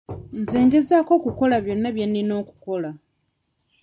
Nze ngezaako okukola byonna bye nnina okukola.